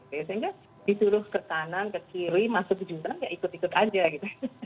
biasanya disuruh ke kanan ke kiri masuk ke juta ikut ikut aja gitu